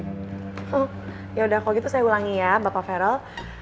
hmm ya udah kalau gitu saya ulangi ya bapak veryl